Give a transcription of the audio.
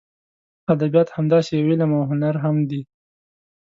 ادبیات همداسې یو علم او هنر هم دی.